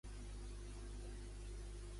Els drames que va crear són en llengua castellana?